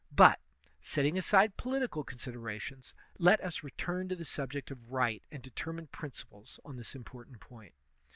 But, setting aside political considerations, let us return to the subject of right and determine principles on this important point.